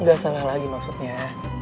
enggak salah lagi maksudnya